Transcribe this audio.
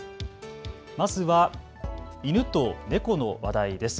まずは犬と猫の話題です。